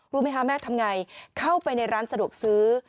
รู้ไหมคะแม่ทำไงเข้าไปในร้านสะดวกซื้อ